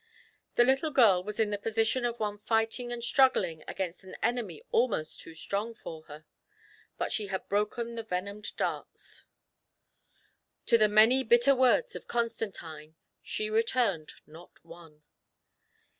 The little girl was in the position of one fighting and struggling against an enemy almost too strong for her ; but she had broken the venomed darts; to the many bitter words " of Constantine, she returned not one.